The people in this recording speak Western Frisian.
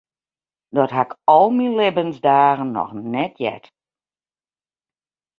Dat ha ik al myn libbensdagen noch net heard.